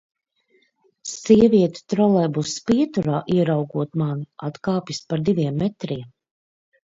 Sieviete trolejbusa pieturā, ieraugot mani, atkāpjas par diviem metriem.